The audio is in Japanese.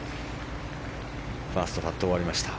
ファーストパットが終わりました。